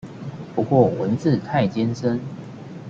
不過文字太艱深